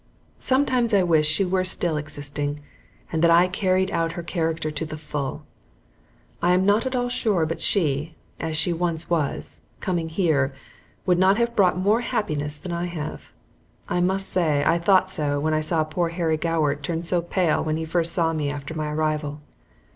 Sometimes I wish she were still existing and that I carried out her character to the full. I am not at all sure but she, as she once was, coming here, would not have brought more happiness than I have. I must say I thought so when I saw poor Harry Goward turn so pale when he first saw me after my arrival.